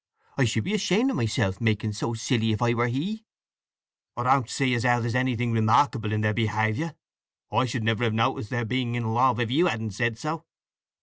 I should be ashamed of making myself so silly if I were he!" "I don't see as how there's anything remarkable in their behaviour. I should never have noticed their being in love, if you hadn't said so."